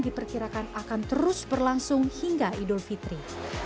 diperkirakan akan terus berlangsung hingga idul fitri